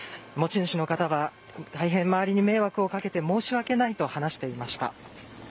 持ち主の方が大変周りに迷惑をかけて申し訳ないと話していました。